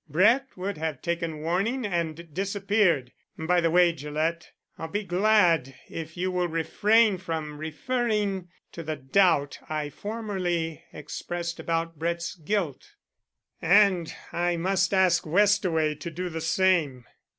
Brett would have taken warning and disappeared. By the way, Gillett, I'll be glad if you will refrain from referring to the doubt I formerly expressed about Brett's guilt. And I must ask Westaway to do the same."